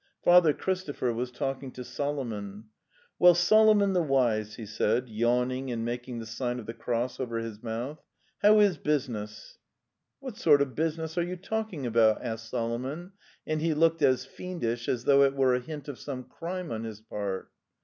Father Christopher was talking to Solomon. "Well, Solomon the Wise!" he said, yawning and making the sign of the cross over his mouth. '" How is business?" '" What sort of business are you talking about?" DOD The Tales of Chekhov asked Solomon, and he looked as fiendish, as though it were a hint of some crime on his part.